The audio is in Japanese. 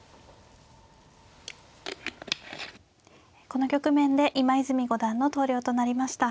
この局面で今泉五段の投了となりました。